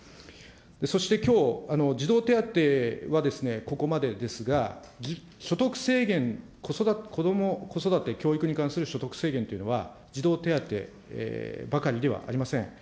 そしてきょう、児童手当はここまでですが、所得制限、こども・子育て教育に関する所得制限というのは、児童手当ばかりではありません。